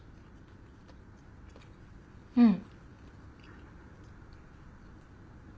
うん。